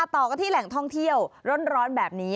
ต่อกันที่แหล่งท่องเที่ยวร้อนแบบนี้